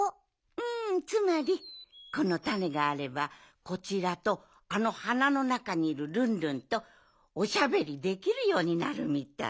んつまりこのタネがあればこちらとあの花のなかにいるルンルンとおしゃべりできるようになるみたい。